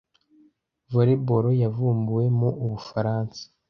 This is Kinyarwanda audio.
Volleyball yavumbuwe mu Ubufaransa